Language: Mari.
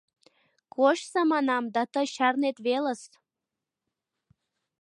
Кочса манам, да тый чарнет велыс.